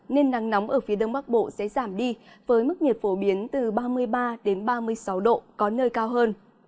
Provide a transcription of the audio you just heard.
nên nắng nóng ở phía đông bắc bộ sẽ giảm đi với mức nhiệt phổ biến từ ba mươi ba đến ba mươi sáu độ có nơi cao hơn